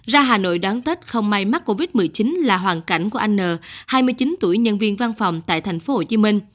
ra hà nội đón tết không may mắc covid một mươi chín là hoàn cảnh của anh n hai mươi chín tuổi nhân viên văn phòng tại tp hcm